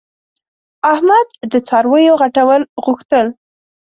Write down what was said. احمد د څارویو غټول غوښتل.